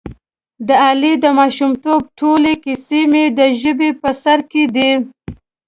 د علي د ماشومتوب ټولې کیسې مې د ژبې په سر کې دي.